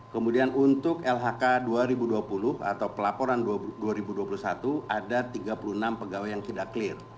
kemudian untuk lhk dua ribu dua puluh atau pelaporan dua ribu dua puluh satu ada tiga puluh enam pegawai yang tidak clear